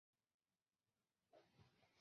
日语的赏花一般指的是赏樱。